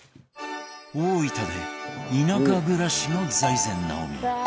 大分で田舎暮らしの財前直見